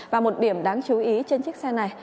và một điểm đáng chú ý trên chiếc xe này